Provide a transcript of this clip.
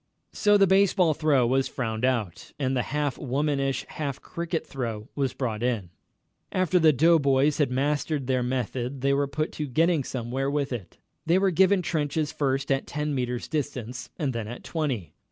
So the baseball throw was frowned out, and the half womanish, half cricket throw was brought in. After the doughboys had mastered their method they were put to getting somewhere with it. They were given trenches first at ten metres' distance, and then at twenty.